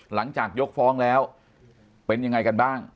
หลังจากยกฟ้องแล้วเป็นยังไงกันบ้าง